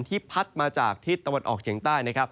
ที่พัดมาจากที่ตะวันออกเฉียงใต้